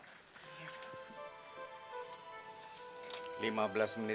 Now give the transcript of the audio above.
terima kasih pak